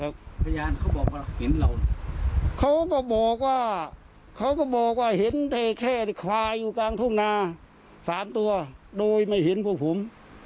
พยานเขาบอกว่าเห็นเราเขาก็บอกว่าเขาก็บอกว่าเห็นเทเข้ควายอยู่กลางทุ่งนาสามตัวโดยไม่เห็นพวกผม